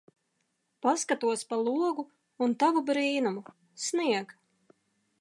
Paskatos pa logu un tavu brīnumu. Snieg!